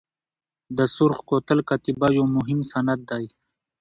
د سرخ کوتل کتیبه یو مهم سند دی.